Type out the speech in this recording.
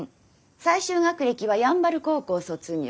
最終学歴は山原高校卒業。